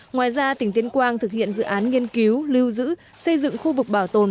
ngoài ra tỉnh tuyên quang thực hiện dự án nghiên cứu lưu giữ xây dựng khu vực bảo tồn